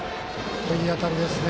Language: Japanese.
いい当たりですね。